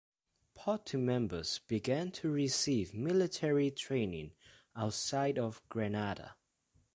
Party members began to receive military training outside of Grenada.